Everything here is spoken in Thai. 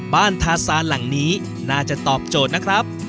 ทาซานหลังนี้น่าจะตอบโจทย์นะครับ